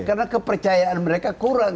karena kepercayaan mereka kurang